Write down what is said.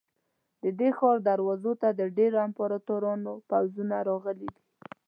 د دې ښار دروازو ته د ډېرو امپراتورانو پوځونه راغلي دي.